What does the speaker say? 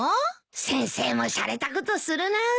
先生もしゃれたことするなあ。